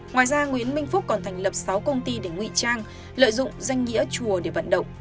ngoài ra nguyễn minh phúc còn thành lập sáu công ty để ngụy trang lợi dụng danh nghĩa chùa để vận động